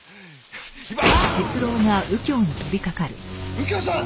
右京さん！